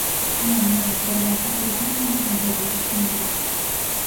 Non, non, perdón, as alusións non teñen réplica, síntoo.